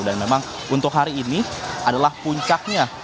dan memang untuk hari ini adalah puncaknya